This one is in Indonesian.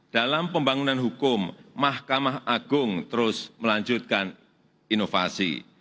dalam pembangunan hukum mahkamah agung terus melanjutkan inovasi